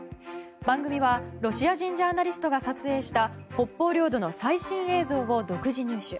番組はロシア人ジャーナリストが撮影した北方領土の最新映像を独自入手。